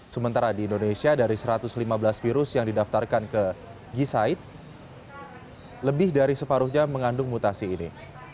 sementara di indonesia dari satu ratus lima belas virus yang didaftarkan ke gisaid lebih dari separuhnya mengandung mutasi ini